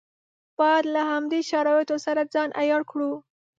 باید له همدې شرایطو سره ځان عیار کړو.